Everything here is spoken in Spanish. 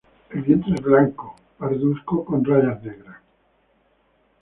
El vientre es blanco pardusco con rayas negras.